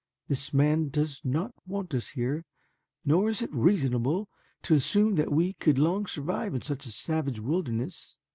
This man does not want us here, nor is it reasonable to assume that we could long survive in such a savage wilderness.